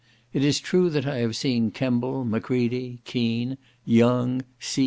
It is true that I have seen Kemble, Macready, Kean, Young, C.